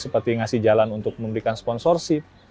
seperti ngasih jalan untuk memberikan sponsorship